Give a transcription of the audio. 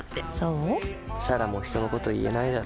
彩良も人のこと言えないだろ。